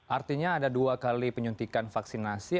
artinya ada dua kali penyuntikan vaksinasi